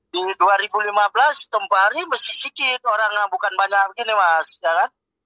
di dua ribu lima belas tempah hari ini masih sedikit orang bukan banyak gini mas ya kan